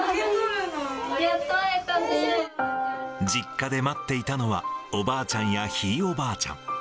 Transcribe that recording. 実家で待っていたのは、おばあちゃんやひいおばあちゃん。